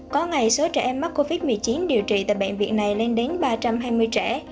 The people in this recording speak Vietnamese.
có ngày số trẻ em mắc covid một mươi chín điều trị tại bệnh viện này lên đến ba trăm hai mươi trẻ